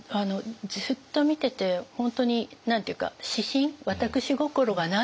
ずっと見てて本当に何て言うか私心私心がないですよね。